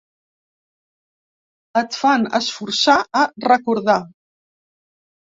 Et fan esforçar a recordar.